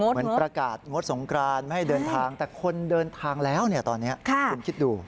เหมือนประกาศงดสงกรานไม่ให้เดินทางแต่คนเดินทางแล้วตอนนี้คุณคิดดู